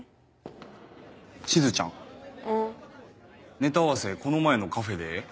ネタ合わせこの前のカフェでええ？